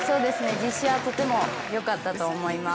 とてもよかったと思います。